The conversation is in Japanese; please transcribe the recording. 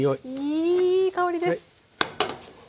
いい香りです。